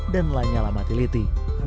dan lainnya alamatiliti